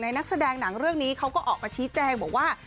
นักแสดงหนังเรื่องนี้เขาก็ออกมาชี้แจงบอกว่า